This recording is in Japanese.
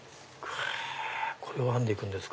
これを編んで行くんですか？